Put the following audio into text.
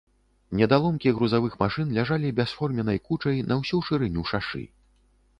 Недаломкі грузавых машын ляжалі бясформеннай кучай на ўсю шырыню шашы.